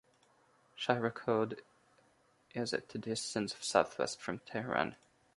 Shahrekord is at a distance of southwest from Tehran.